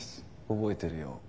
覚えてるよ。